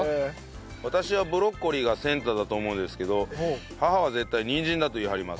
「私はブロッコリーがセンターだと思うんですけど母は絶対にんじんだと言い張ります」